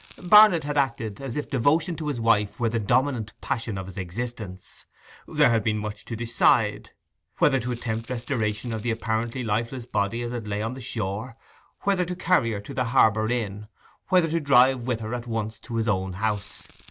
Barnet had acted as if devotion to his wife were the dominant passion of his existence. There had been much to decide—whether to attempt restoration of the apparently lifeless body as it lay on the shore—whether to carry her to the Harbour Inn—whether to drive with her at once to his own house.